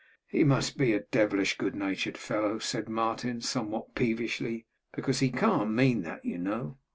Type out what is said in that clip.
'He must be a devilish good natured fellow,' said Martin, somewhat peevishly: 'because he can't mean that, you know.